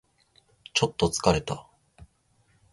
ちょっと疲れた